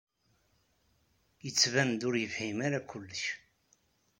Yettban-d ur yefhim ara kullec.